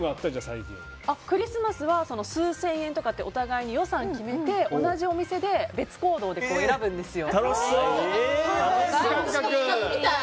クリスマスは数千円とかってお互いに予算決めて同じお店で別行動で選ぶんですよ。